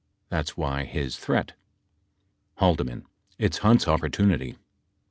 That's why his threat. H. It's Hunt's opportunity. P.